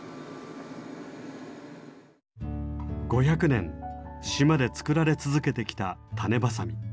５００年島で作られ続けてきた種子鋏。